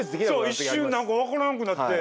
一瞬何か分からんくなって。